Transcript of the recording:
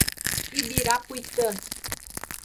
Ibirapuitã